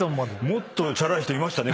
もっとチャラい人いましたね。